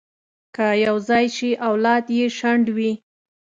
که یو ځای شي، اولاد یې شنډ وي.